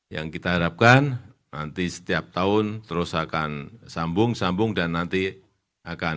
yang kita harapkan nanti setiap tahun terus akan sambung sambung dan nanti akan